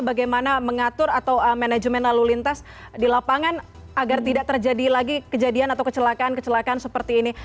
bagaimana mengatur atau manajemen lalu lintas di lapangan agar tidak terjadi lagi kejadian atau kecelakaan kecelakaan seperti ini